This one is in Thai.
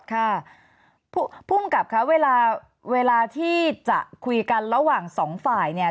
ค่ะภูมิกับค่ะเวลาเวลาที่จะคุยกันระหว่างสองฝ่ายเนี่ย